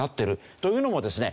というのもですね